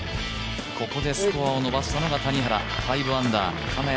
ここでスコアを伸ばしたのが谷原５アンダー金谷